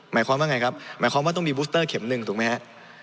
หมายความว่าไงครับหมายความว่าต้องมีบูสเตอร์เข็มหนึ่งถูกไหมฮะ